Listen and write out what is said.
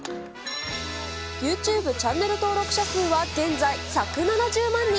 ユーチューブチャンネル登録者数は現在１６９万人。